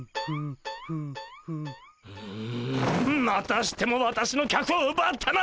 むむまたしても私の客をうばったな！